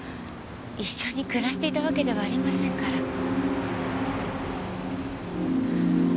一緒に暮らしていたわけではありませんから。